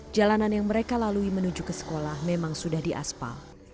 jalanan yang mereka lalui menuju ke sekolah memang sudah diaspal